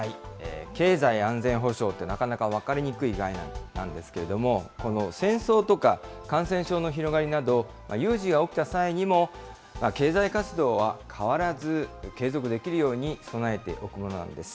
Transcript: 経済安全保障ってなかなか分かりにくい概念なんですけれども、この戦争とか感染症の広がりなど、有事が起きた際にも、経済活動は、変わらず継続できるように備えておくものなんです。